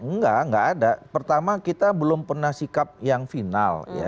enggak enggak ada pertama kita belum pernah sikap yang final ya